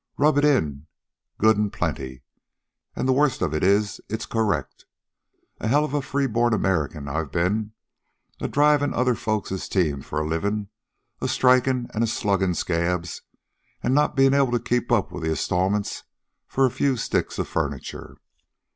"Rub it in good an' plenty. An' the worst of it is it's correct. A hell of a free born American I've been, adrivin' other folkses' teams for a livin', a strikin' and a sluggin' scabs, an' not bein' able to keep up with the installments for a few sticks of furniture.